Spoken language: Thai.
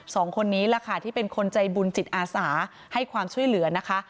สองคนนี้แหละค่ะที่เป็นคนใจบุญจิตอาสาให้ความช่วยเหลือนะคะ